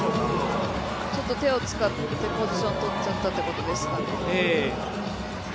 ちょっと手を使ってポジションを取っちゃったってことですかね。